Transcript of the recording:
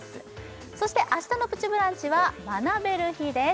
そしてあしたの「プチブランチ」は学べる日です